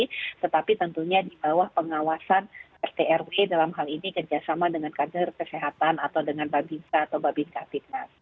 dan termasuk juga di bawah pengawasan rtrw dalam hal ini kerjasama dengan kader kesehatan atau dengan babi nka atau babi nka fitness